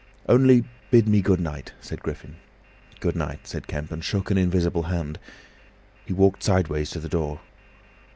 "Only bid me good night," said Griffin. "Good night," said Kemp, and shook an invisible hand. He walked sideways to the door.